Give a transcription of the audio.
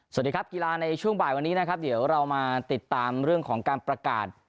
สวัสดีครับกีฬาในช่วงบ่ายวันนี้นะครับเดี๋ยวเรามาติดตามเรื่องของการประกาศ